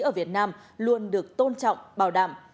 ở việt nam luôn được tôn trọng bảo đảm